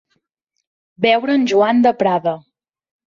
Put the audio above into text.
Veure en Joan de Prada.